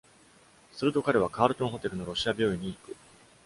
すると彼は、カ-ルトンホテルのロシア病院に行く。